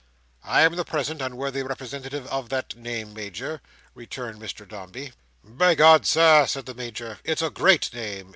"I am the present unworthy representative of that name, Major," returned Mr Dombey. "By G—, Sir!" said the Major, "it's a great name.